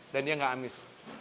dan dia gak amis